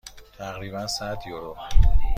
تقریبا صد یورو.